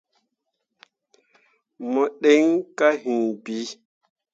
Mo ɗǝn kah hiŋ bii.